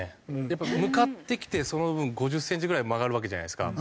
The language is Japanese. やっぱり向かってきてその分５０センチぐらい曲がるわけじゃないですか。